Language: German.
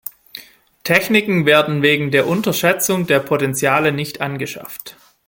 Techniken werden wegen der Unterschätzung der Potenziale nicht angeschafft.